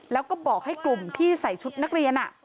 แล้วก็บอกให้กลุ่มที่ใส่ชุดนักเรียน